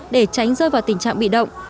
để tránh rơi vào tình trạng bị động